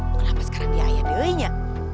kenapa sekarang dia ada ada